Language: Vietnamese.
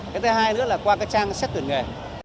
cái thứ hai nữa là qua cái trang xét tuyển nghề